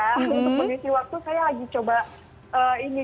untuk mengisi waktu saya lagi coba ini